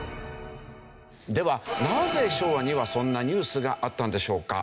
ではなぜ昭和にはそんなニュースがあったんでしょうか？